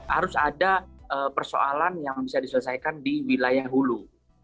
harus ada persoalan yang bisa diselesaikan di wilayah hulu